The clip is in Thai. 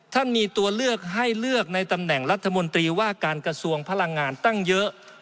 ท่านมีตัวเลือกให้เลือกในตำแหน่งรัฐมนตรีว่าการกระทรวงพลังงานตั้งเยอะ